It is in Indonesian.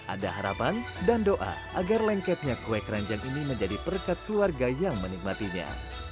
ada harapan dan doa agar lengketnya kue keranjang ini menjadi perkat keluarga yang menikmatinya